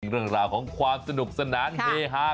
เรื่องราวของความสนุกสนานเฮฮา